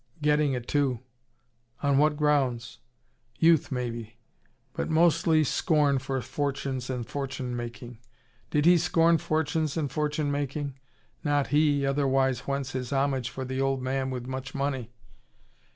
Getting it, too. On what grounds? Youth, maybe. But mostly, scorn for fortunes and fortune making. Did he scorn fortunes and fortune making? Not he, otherwise whence this homage for the old man with much money?